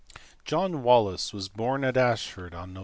John Wallis was born at Ashford on Nov.